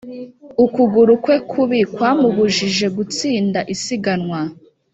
ukuguru kwe kubi kwamubujije gutsinda isiganwa.